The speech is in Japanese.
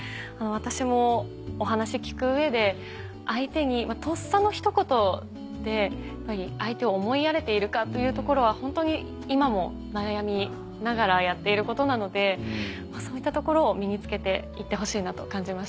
私もお話聞く上で相手にとっさのひと言でやっぱり相手を思いやれているかというところはホントに今も悩みながらやっていることなのでそういったところを身に付けて行ってほしいなと感じました。